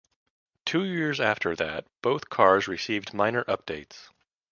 Two years after that both cars received minor updates.